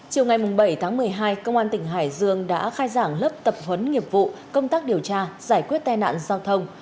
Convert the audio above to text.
chiều ngày bảy tháng một mươi hai công an tỉnh hải dương đã khai giảng lớp tập huấn nghiệp vụ công tác điều tra giải quyết tai nạn giao thông